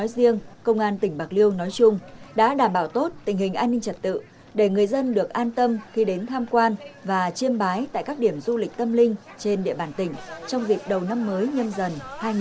đã đảm bảo tốt tình hình an ninh trật tự để người dân được an tâm khi đến tham quan và chiêm bái tại các điểm du lịch tâm linh trên địa bàn tỉnh trong dịp đầu năm mới nhân dần hai nghìn hai mươi hai